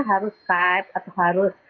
harus skype atau harus